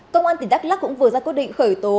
công an tỉnh đắk lắc cũng vừa ra quyết định khởi tố